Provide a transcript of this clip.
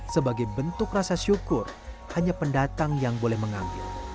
sebagai bentuk rasa syukur hanya pendatang yang boleh mengambil